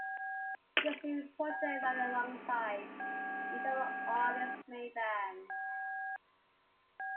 This new project ran alongside each of the artists' main bands.